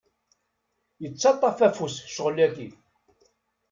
Yettaṭṭaf afus ccɣel-agi.